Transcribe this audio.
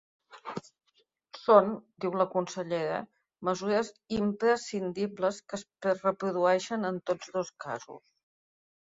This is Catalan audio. Són, diu la consellera, mesures ‘imprescindibles’ que es reprodueixen en tots dos casos.